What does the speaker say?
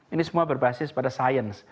ini semua berbasis pada sains